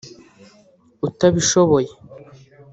utabishoboye